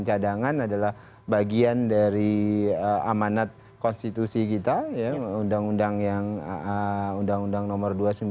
cadangan adalah bagian dari amanat konstitusi kita ya undang undang yang anda undang nomor